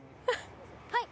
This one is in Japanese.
はい。